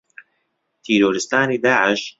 تیرۆریستانی داعش